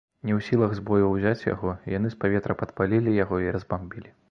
Не ў сілах з бою ўзяць яго, яны з паветра падпалілі яго і разбамбілі.